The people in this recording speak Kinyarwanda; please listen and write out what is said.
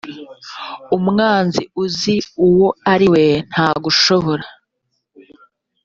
umwanzi uzi uwo ari we ntagushobora